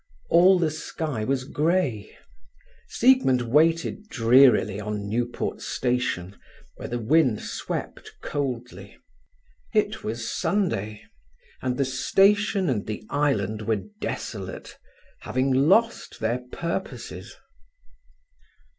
All the sky was grey. Siegmund waited drearily on Newport station, where the wind swept coldly. It was Sunday, and the station and the island were desolate, having lost their purposes.